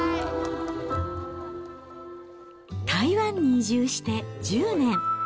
台湾に移住して１０年。